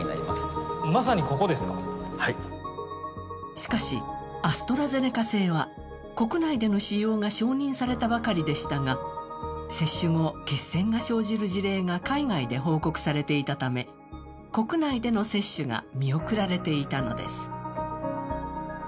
しかし、アストラゼネカ製は国内での使用が承認されたばかりでしたが、接種後、血栓が生じる事例が海外で報告されていたため国内での接種が見送られていたのです。